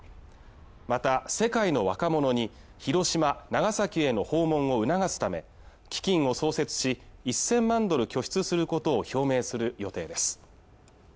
また世界の若者に広島・長崎への訪問を促すため基金を創設し１０００万ドルを拠出することを表明する予定です